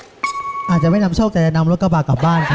อาจจะไม่นำโชคแต่จะนำรถกระบะกลับบ้านครับ